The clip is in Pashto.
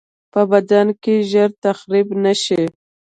په بدن کې ژر تخریب نشي.